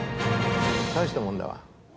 大したもんだわ。